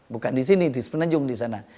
bukan di sini di semenanjung di sana